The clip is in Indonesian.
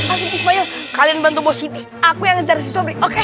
asyik ismail kalian bantu bos siti aku yang ngejar siswa berikutnya oke